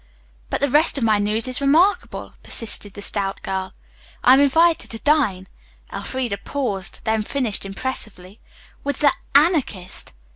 "But the rest of my news is remarkable," persisted the stout girl. "I am invited to dine" Elfreda paused, then finished impressively "with the Anarchist."